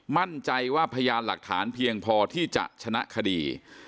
มั่นใจว่าพยานหลักฐานเพียงพอที่จะชนะคดี